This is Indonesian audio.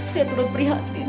saya terlalu prihatin